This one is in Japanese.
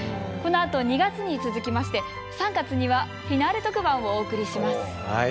このあと２月に続きまして３月にはフィナーレ特番をお送りします。